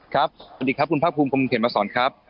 ครับสวัสดีครับคุณพระคุณคุณเห็นมาสอนครับ